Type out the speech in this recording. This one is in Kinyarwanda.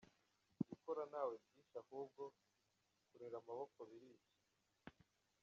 Gukora ntawe byishe ahubwo kurera amaboko birica”.